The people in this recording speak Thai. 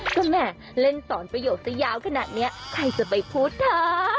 ก็แม่เล่นสอนประโยชน์สายยาวขนาดนี้ใครจะไปพูดเธอ